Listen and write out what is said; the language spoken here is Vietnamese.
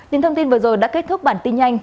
những thông tin vừa rồi đã kết thúc bản tin nhanh